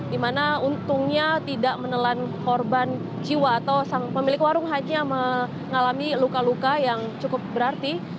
di mana untungnya tidak menelan korban jiwa atau sang pemilik warung hanya mengalami luka luka yang cukup berarti